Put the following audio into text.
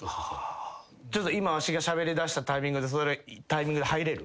ちょっと今わしがしゃべりだしたタイミングでそれタイミングで入れる？